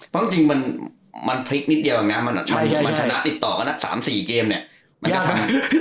เพราะจริงมันพลิกนิดเดียวแบบนั้นนะมันชนะติดต่อกันแน่๓๔เกมเนี่ย